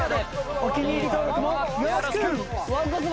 お気に入り登録もよろしく！